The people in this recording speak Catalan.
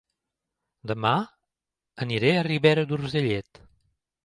Dema aniré a Ribera d'Urgellet